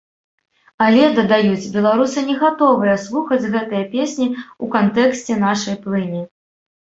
Але, дадаюць, беларусы не гатовыя слухаць гэтыя песні ў кантэксце нашай плыні.